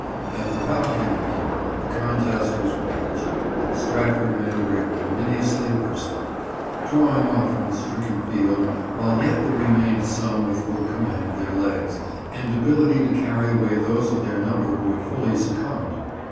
At the "Falcon" inn the contest was waged, and the Stratford men were ignominiously worsted, drawing off from the stricken field while yet there remained some with full command of their legs, and ability to carry away those of their number who had wholly succumbed.